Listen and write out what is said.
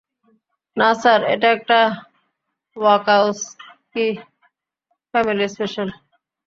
না, স্যার, এটা একটা ওয়াকাওস্কি ফ্যামিলি স্পেশাল।